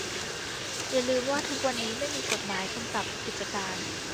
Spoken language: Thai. อย่าลืมว่าทุกวันนี้ไม่มีกฎหมายกำกับกิจการ